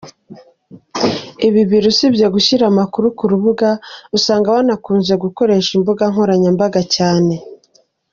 Ibi biro usibye gushyira amakuru ku rubuga usanga banakunze gukoresha imbuga nkoranyambaga cyane.